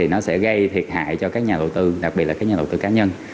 nó sẽ gây thiệt hại cho các nhà đầu tư đặc biệt là các nhà đầu tư cá nhân